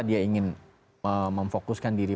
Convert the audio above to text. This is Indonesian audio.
dia ingin memfokuskan diri